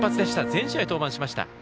全試合登板しました。